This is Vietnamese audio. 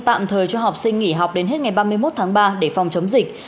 tạm thời cho học sinh nghỉ học đến hết ngày ba mươi một tháng ba để phòng chống dịch